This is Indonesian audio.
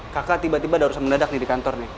kakak tiba tiba udah usah mendadak di kantor nih